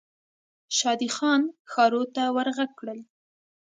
شادي خان ښارو ته ور ږغ کړل.